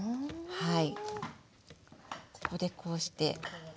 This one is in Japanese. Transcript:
はい。